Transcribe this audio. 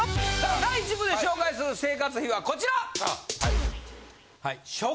第１部で紹介する生活費はこちら！